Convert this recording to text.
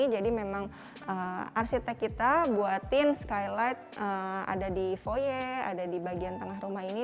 jadi memang arsitek kita membuat skylight di foyer di bagian tengah rumah ini